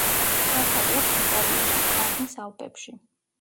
სათავე აქვს იტალიაში, კარნის ალპებში.